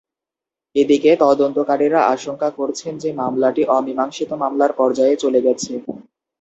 এদিকে, তদন্তকারীরা আশঙ্কা করছেন যে মামলাটি অমীমাংসিত মামলার পর্যায়ে চলে গেছে।